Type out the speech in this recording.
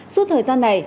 suốt thời gian này